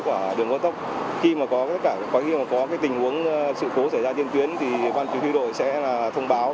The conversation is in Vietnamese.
của đường con tốc khi mà có tình huống sự cố xảy ra trên tuyến thì quan chức huy đội sẽ thông báo